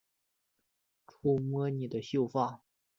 触摸你的秀发